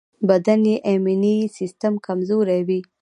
بدن یې ایمني سيستم کمزوری وي.